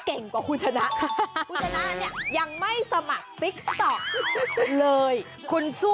เออคุณยายเมจิ